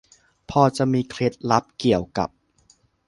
พอจะมีเคล็ดลับเกี่ยวกับ